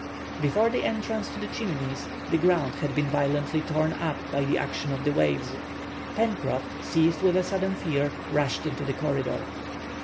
Before the entrance to the Chimneys the ground had been violently torn up by the action of the waves. Pencroff, seized with a sudden fear, rushed into the corridor.